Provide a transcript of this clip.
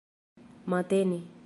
matene